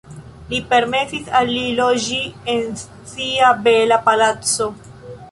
Li permesis al li loĝi en sia bela palaco.